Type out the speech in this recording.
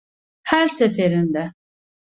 Her seferinde.